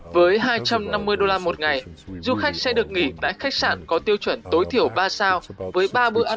với hai trăm năm mươi đô la một ngày du khách sẽ được nghỉ tại khách sạn có tiêu chuẩn tối thiểu ba sao với ba bữa ăn